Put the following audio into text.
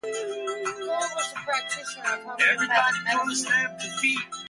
Boole was a practitioner of homeopathic medicine.